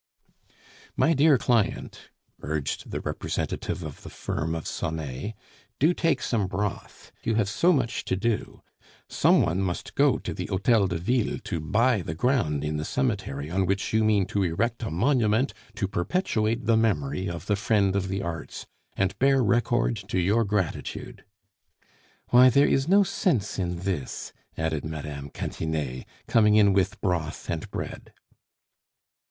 "My dear client," urged the representative of the firm of Sonet, "do take some broth. You have so much to do; some one must go to the Hotel de Ville to buy the ground in the cemetery on which you mean to erect a monument to perpetuate the memory of the friend of the arts, and bear record to your gratitude." "Why, there is no sense in this!" added Mme. Cantinet, coming in with broth and bread.